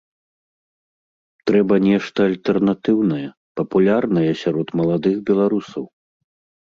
Трэба нешта альтэрнатыўнае, папулярнае сярод маладых беларусаў.